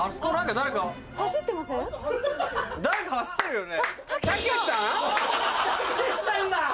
誰か走ってるよね？